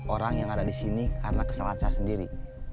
orang yang ada di sini karena kesalahan saya sendiri